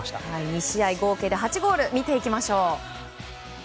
２試合合計で８ゴール見ていきましょう。